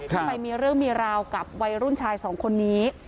ทำไมมีเรื่องมีราวกับวัยรุ่นชายสองคนนี้